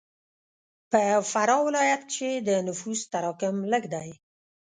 په فراه ولایت کښې د نفوس تراکم لږ دی.